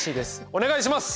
お願いします。